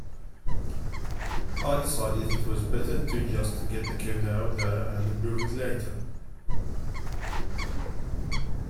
I decided it was better to just get the code out there and improve it later.